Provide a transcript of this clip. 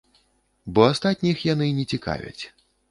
Бо астатніх яны не цікавяць.